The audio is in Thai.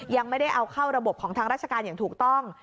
ยังไม่ได้เอาเข้าระบบของทางราชการอย่างถูกต้อง